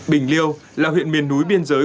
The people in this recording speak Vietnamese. bình liêu là huyện miền núi biên giới